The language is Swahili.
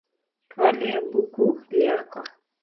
Twalya buku lyako